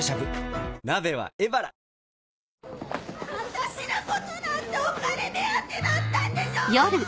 私のことなんてお金目当てだったんでしょ！